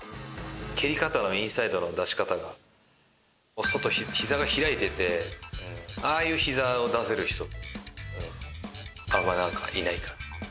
蹴り方のインサイドの出し方が膝が開いててああいう膝を出せる人ってあんまいないかな日本で。